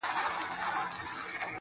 o د دوى دا هيله ده چي.